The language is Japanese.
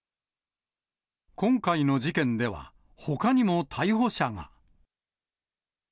今回の事件では、ほかにも逮捕者が。